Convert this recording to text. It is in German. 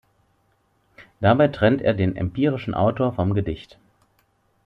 Dabei trennt er den empirischen Autor vom Gedicht.